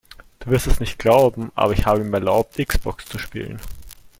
Du wirst es nicht glauben, aber ich habe ihm erlaubt, X-Box zu spielen.